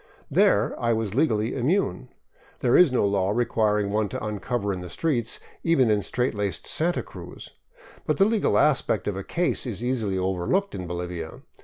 There I was legally immune. There is no law requiring one to uncover in the streets, even in straight laced Santa Cruz. But the legal aspect of a case is easily overlooked in Bolivia.